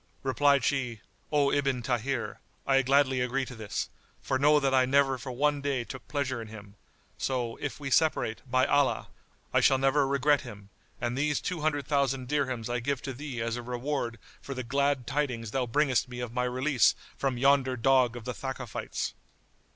Replied she, "O Ibn Tahir, I gladly agree to this; for know that I never for one day took pleasure in him; so, if we separate, by Allah, I shall never regret him, and these two hundred thousand dirhams I give to thee as a reward for the glad tidings thou bringest me of my release from yonder dog of the Thakafites."